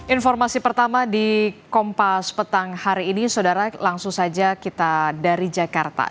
informasi pertama di kompas petang hari ini saudara langsung saja kita dari jakarta